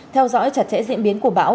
theo dõi chặt chẽ diễn biến của bão